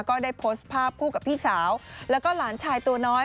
ก็ได้โพสต์ภาพคู่กับพี่สาวแล้วก็หลานชายตัวน้อย